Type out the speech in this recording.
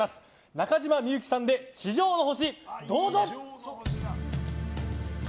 中島みゆきさんで「地上の星」。